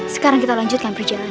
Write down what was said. sekarang kita lanjutkan perjalanan